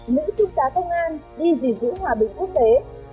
nữ trung tá công an đi gìn giữ hòa bình quốc tế